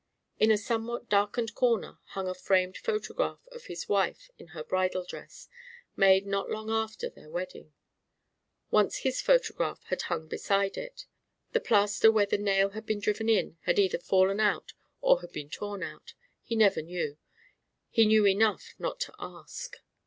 In a somewhat darkened corner hung a framed photograph of his wife in her bridal dress made not long after their wedding. Once his photograph had hung beside it. The plaster where the nail had been driven in had either fallen out or it had been torn out. He never knew he knew enough not to ask.